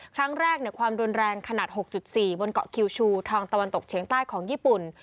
ครั้งแรกความรุนแรงขนาด๖๔บนเกาะคิวชูทางตะวันตกเฉียงใต้ของญี่ปุ่น